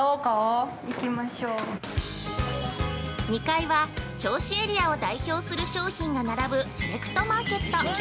◆２階は、銚子エリアを代表する商品が並ぶセレクトマーケット。